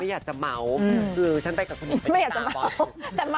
ไม่อยากจะเมาคือฉันไปกับคุณหญิงปรินิตาบ้าง